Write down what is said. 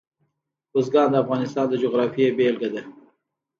بزګان د افغانستان د جغرافیې بېلګه ده.